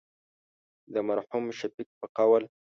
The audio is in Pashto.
د مرحوم شفیق په قول.